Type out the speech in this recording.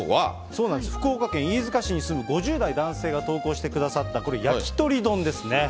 そうなんです、福岡県飯塚市に住む５０代男性が投稿してくださった、これ、焼き鳥丼ですね。